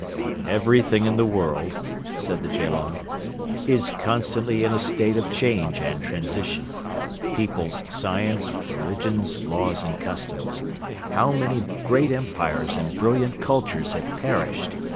"Everything in the world," said the Gelong, "is constantly in a state of change and transition peoples science, religions, laws and customs. How many great empires and brilliant cultures have perished!